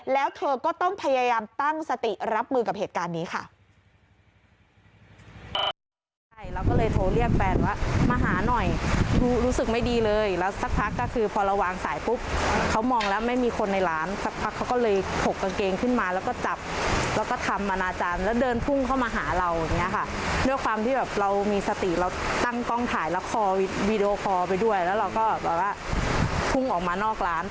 แล้วเธอก็ต้องพยายามตั้งสติรับมือกับเหตุการณ์นี้ค่ะ